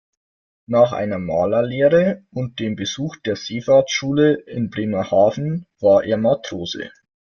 Nach einer Malerlehre und dem Besuch der Seefahrtsschule in Bremerhaven war er Matrose.